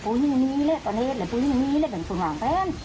ผู้ยิ่งนี้แหละตอนนี้แหละผู้ยิ่งนี้แหละเป็นคนหวังแท้น